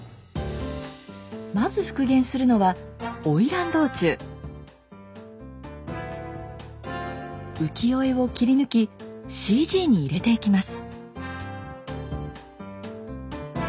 まず復元するのは浮世絵を切り抜きＣＧに入れていきます。